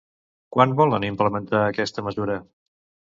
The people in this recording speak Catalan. Quan volen implementar aquesta mesura?